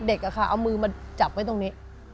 เด็กอะค่ะเอามือมาจับไว้ตรงนี้